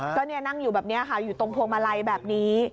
ก็นี่นั่งอยู่แบบนี้ค่ะอยู่ตรงพวงมาลัยแบบนี้